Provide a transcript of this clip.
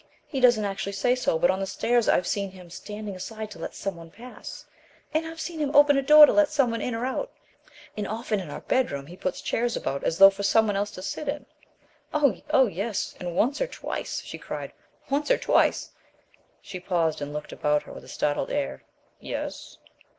He does not actually say so, but on the stairs I've seen him standing aside to let some one pass; I've seen him open a door to let some one in or out; and often in our bedroom he puts chairs about as though for some one else to sit in. Oh oh yes, and once or twice," she cried "once or twice " She paused, and looked about her with a startled air. "Yes?"